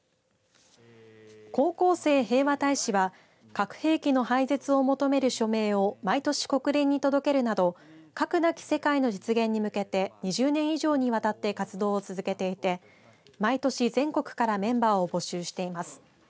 高校生平和大使は核兵器の廃絶を求める署名を毎年、国連に届けるなど核なき世界の実現に向けて２０年以上にわたって活動を続けていて毎年、全国からメンバーを募集しています。